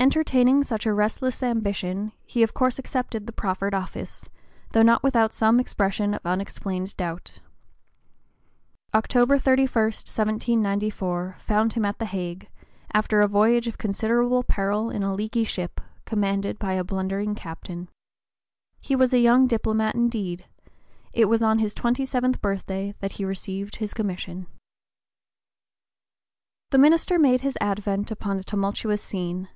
Entertaining such a restless ambition, he of course accepted the proffered office, though not without some expression of unexplained doubt. October 31, 1794, found him at the Hague, after a voyage of considerable peril in a leaky ship, commanded by a blundering captain. He was a young diplomat, indeed; it was on his twenty seventh (p. 020) birthday that he received his commission. The minister made his advent upon a tumultuous scene.